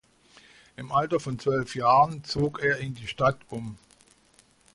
Im Alter von zwölf Jahren zog er in die Stadt um.